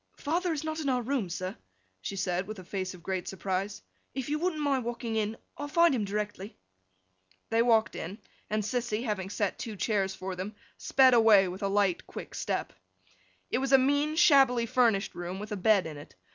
'Father is not in our room, sir,' she said, with a face of great surprise. 'If you wouldn't mind walking in, I'll find him directly.' They walked in; and Sissy, having set two chairs for them, sped away with a quick light step. It was a mean, shabbily furnished room, with a bed in it.